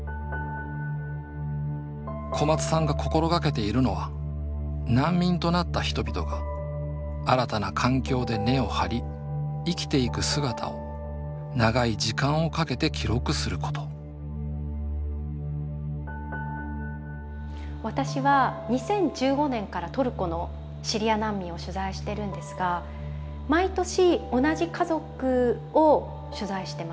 小松さんが心掛けているのは難民となった人々が新たな環境で根を張り生きていく姿を長い時間をかけて記録すること私は２０１５年からトルコのシリア難民を取材してるんですが毎年同じ家族を取材してます。